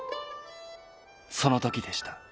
そのときでした。